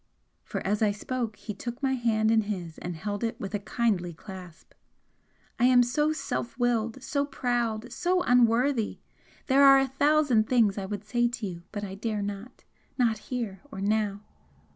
For as I spoke he took my hand in his and held it with a kindly clasp "I am so self willed, so proud, so unworthy! There are a thousand things I would say to you, but I dare not not here, or now!"